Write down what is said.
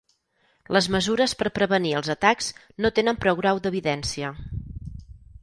Les mesures per prevenir els atacs no tenen prou grau d'evidència.